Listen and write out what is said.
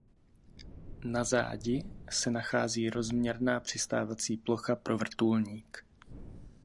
Na zádi se nachází rozměrná přistávací plocha pro vrtulník.